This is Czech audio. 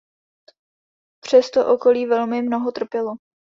Přesto okolí velmi mnoho trpělo.